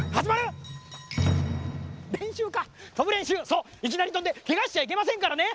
そういきなりとんでけがしちゃいけませんからね。